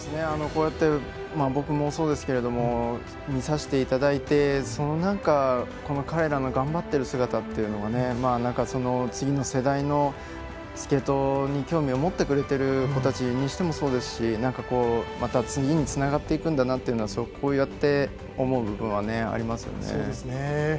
こうやって僕もそうですが見させていただいて彼らの頑張ってる姿は次の世代の、スケートに興味を持ってくれている子にしてもそうですしまた次につながっていくんだなとこうやって思う部分はありますね。